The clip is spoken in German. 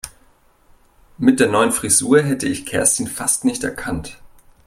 Mit der neuen Frisur hätte ich Kerstin fast nicht erkannt.